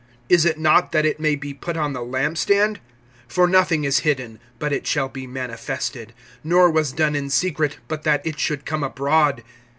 Is it not, that it may be put on the lamp stand? (22)For nothing is hidden, but it shall be manifested; nor was done in secret, but that it should come abroad.